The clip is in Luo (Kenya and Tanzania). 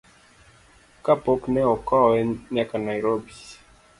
Kapok ne okowe nyaka Nairobi.